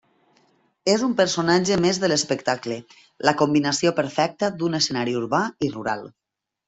És un personatge més de l'espectacle, la combinació perfecta d'un escenari urbà i rural.